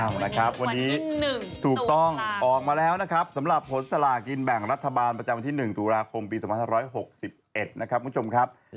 เอานะครับวันนี้ถูกต้องออกมาแล้วนะครับสำหรับผลสลากินแบ่งรัฐบาลประจำวันที่๑ตุลาคมปี๒๕๖๑นะครับคุณผู้ชมครับ